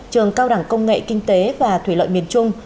trường cao đẳng công nghệ kinh tế và thủy lợi miền trung